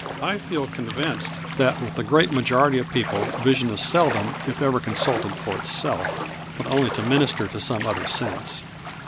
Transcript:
I feel convinced that with the great majority of people vision is seldom if ever consulted for itself, but only to minister to some other sense.